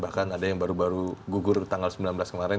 bahkan ada yang baru baru gugur tanggal sembilan belas kemarin